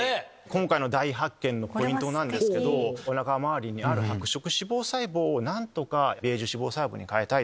今回の大発見のポイントなんですけどおなか周りにある白色脂肪細胞をベージュ脂肪細胞に変えたい。